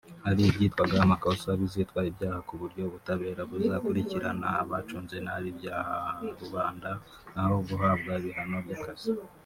hari ibyitwaga amakosa bizitwa ibyaha ku buryo ubutabera buzakurikirana abacunze nabi ibya rubanda aho guhabwa ibihano by’akazi